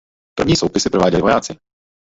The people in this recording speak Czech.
První soupisy prováděli vojáci.